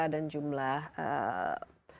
dan jumlah anggota yang harusnya menjadi romantik